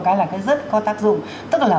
cái là rất có tác dụng tức là